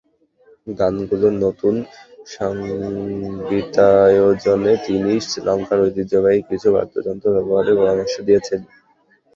গানগুলোর নতুন সংগীতায়োজনে তিনি শ্রীলঙ্কার ঐতিহ্যবাহী কিছু বাদ্যযন্ত্র ব্যবহারের পরামর্শ দিয়েছেন।